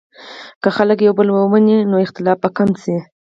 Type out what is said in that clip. که خلک یو بل ومني، نو اختلاف به کم شي.